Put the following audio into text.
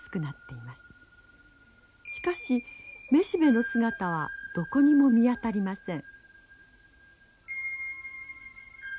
しかしメシベの姿はどこにも見当たりません。